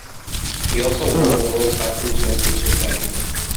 He also won the World Cycling Championship that year.